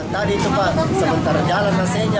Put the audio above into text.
tadi tempat sebentar jalan masih